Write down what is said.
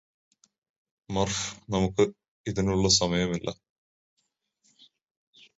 മര്ഫ് നമുക്കിതിനുള്ള സമയമില്ല